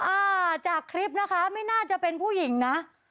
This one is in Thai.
อ่าจากคลิปนะคะไม่น่าจะเป็นผู้หญิงนะ